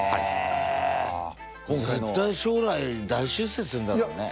へえ絶対将来大出世するんだろうね